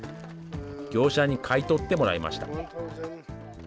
業者に買い取ってもらいました。